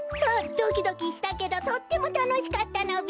ドキドキしたけどとってもたのしかったのべ。